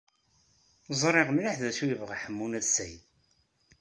Ẓriɣ mliḥ d acu i yebɣa Ḥemmu n At Sɛid.